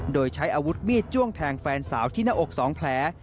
โดยใช้อาวุธมีดจ้วงแทงแฟนสาวที่หน้าอก๒แผล